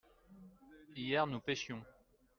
hier nous pêchions.